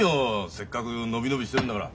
せっかく伸び伸びしてるんだから。